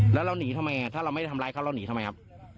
แล้วเราหนีทำไมถ้าเราไม่ได้ทำร้ายเขาเราหนีทำไมครับ